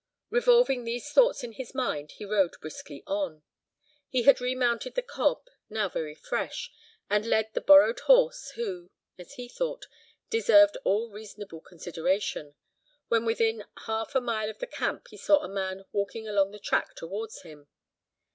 Revolving these thoughts in his mind, he rode briskly on. He had remounted the cob, now very fresh, and led the borrowed horse, who, as he thought, deserved all reasonable consideration. When within half a mile of the camp he saw a man walking along the track towards him.